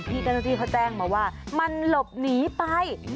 พี่กนที่เค้าแจ้งมาว่ามันหลบหนีไป